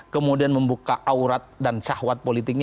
kemudian membuka aurat dan syahwat politiknya